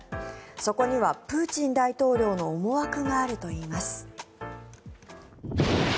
そこにはプーチン大統領の思惑があるといいます。